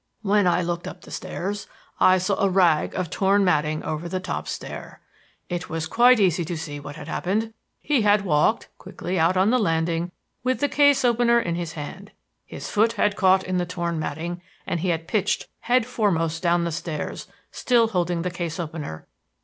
When I looked up the stairs I saw a rag of torn matting over the top stair. "It was quite easy to see what had happened. He had walked quickly out on the landing with the case opener in his hand. His foot had caught in the torn matting and he had pitched head foremost down the stairs still holding the case opener.